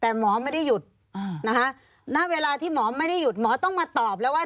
แต่หมอไม่ได้หยุดนะคะณเวลาที่หมอไม่ได้หยุดหมอต้องมาตอบแล้วว่า